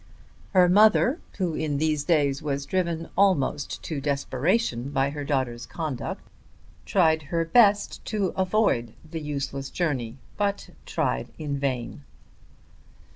Her mother, who in these days was driven almost to desperation by her daughter's conduct, tried her best to prevent the useless journey, but tried in vain.